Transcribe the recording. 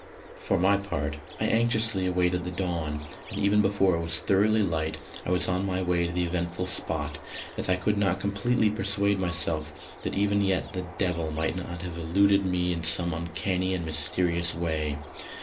For my part, I anxiously awaited the dawn; and even before it was thoroughly light I was on my way to the eventful spot, as I could not completely persuade myself that even yet the "devil" might not have eluded me in some uncanny and mysterious way.